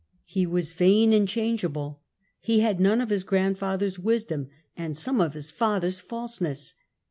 He was vain and changeable; he had none of his grandfather's wisdom and some of his father's falseness.'